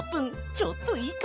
ちょっといいか？